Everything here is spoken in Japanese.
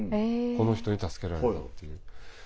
この人に助けられたっていう。